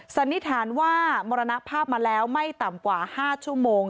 สันนิษฐานว่ามรณภาพมาแล้วไม่ต่ำกว่า๕ชั่วโมง